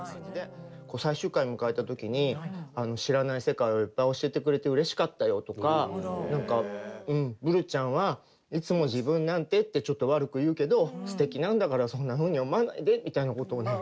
最終回を迎えたときに、知らない世界をいっぱい教えてくれてうれしかったよとかブルちゃんはいつも自分なんてって、ちょっと悪く言うけどすてきなんだから、そんなふうに思わないでみたいなことをね